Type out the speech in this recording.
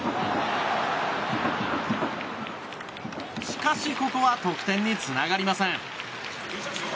しかし、ここは得点につながりません。